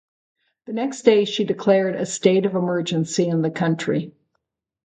The next day she declared a state of Emergency in the country.